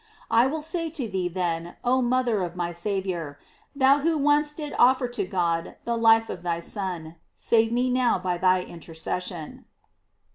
I will say to thee then, oh mother of my Saviour, thou who once didst offer to God the life of thy Son, save me now by thy intercession.